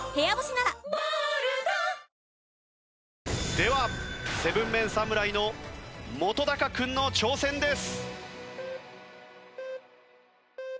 では７ＭＥＮ侍の本君の挑戦です。